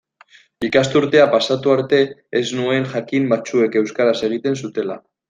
Ikasturtea pasatu arte ez nuen jakin batzuek euskaraz egiten zutela.